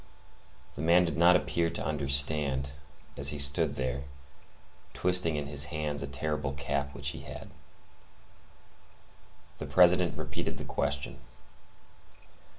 The man did not appear to understand, as he stood there, twisting in his hands a terrible cap which he had. The President repeated the question.